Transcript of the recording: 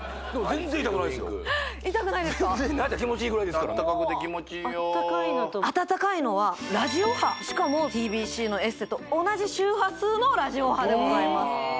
全然気持ちいいぐらいですからあたたかいのはラジオ波しかもＴＢＣのエステと同じ周波数のラジオ波でございます